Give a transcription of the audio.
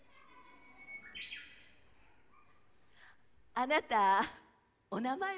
あなたお名前は？